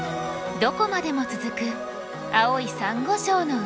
どこまでも続く青いサンゴ礁の海。